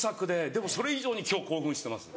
でもそれ以上に今日興奮してます。